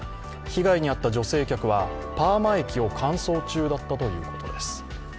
被害に遭った女性客はパーマ液を乾燥中だったということです。